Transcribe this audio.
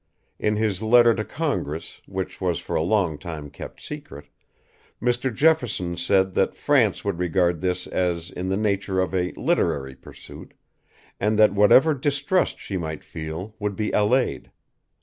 In his letter to Congress, which was for a long time kept secret, Mr. Jefferson said that France would regard this as in the nature of a "literary pursuit," and that whatever distrust she might feel would be allayed.